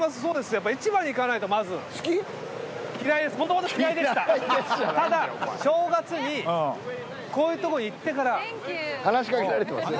やっぱ市場に行かないとまず嫌いですただ正月にこういうとこに行ってからサンキュー話しかけられてますよ